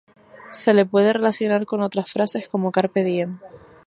Se le puede relacionar con otras frases como "Carpe Diem".